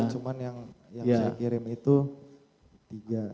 cuma yang saya kirim itu tiga